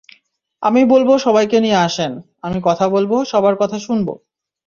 আমি বলব সবাইকে নিয়ে আসেন, আমি কথা বলব, সবার কথা শুনব।